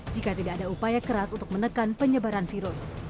jika tidak ada upaya keras untuk menekan penyebaran virus